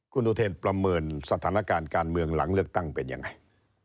คุณอุเทนประเมินสถานการณ์การเมืองหลังเลือกตั้งเป็นยังไง